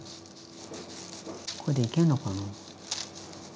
これでいけんのかな。